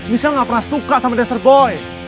michelle gak pernah suka sama desert boy